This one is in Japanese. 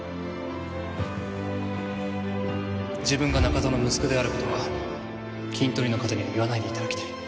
自分が中田の息子である事はキントリの方には言わないで頂きたい。